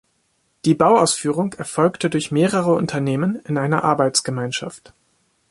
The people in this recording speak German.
Die Bauausführung erfolgte durch mehrere Unternehmen in einer Arbeitsgemeinschaft.